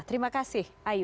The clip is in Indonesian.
terima kasih ayu